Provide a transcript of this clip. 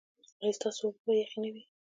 ایا ستاسو اوبه به یخې نه وي؟